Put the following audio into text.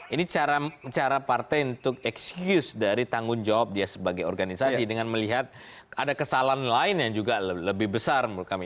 ini cara partai untuk excuse dari tanggung jawab dia sebagai organisasi dengan melihat ada kesalahan lain yang juga lebih besar menurut kami